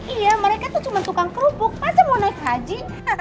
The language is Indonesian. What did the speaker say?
iya mereka tuh cuma tukang kerupuk masa mau naik haji